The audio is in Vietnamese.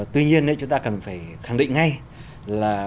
tuy nhiên chúng ta cần phải khẳng định ngay là